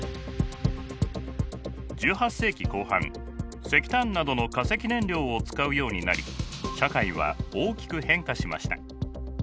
１８世紀後半石炭などの化石燃料を使うようになり社会は大きく変化しました。